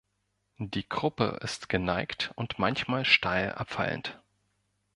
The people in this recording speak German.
Die Kruppe ist geneigt und manchmal steil abfallend.